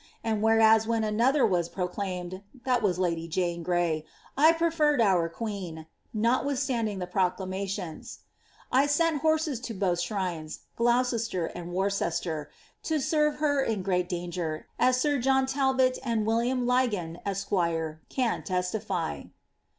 And wheraw wheu another was proclaimed (lady Jane Gray), I prererred our queen, notwithstanding the proclamations. 1 sent horses in bnih sliires (Ulou cester and Worcester), to serve her in great danger, as sir John Talbot, and William Lygon, esq., can testify."